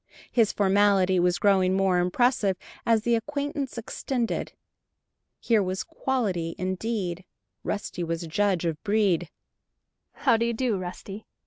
His formality was growing more impressive, as the acquaintance extended. Here was "quality" indeed Rusty was a judge of "breed"! "How do you do, Rusty?"